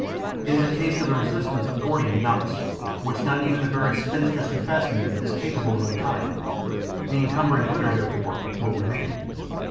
It is a case of the resistance of Gordian knots, which not even the very spinstress who fastened them is capable of untying. The encumbering litter, therefore, will remain.